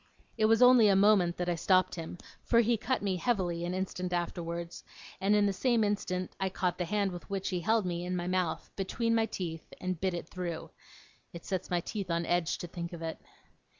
It was only a moment that I stopped him, for he cut me heavily an instant afterwards, and in the same instant I caught the hand with which he held me in my mouth, between my teeth, and bit it through. It sets my teeth on edge to think of it.